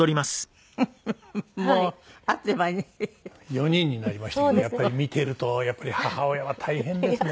４人になりましたけどやっぱり見ていると母親は大変ですね。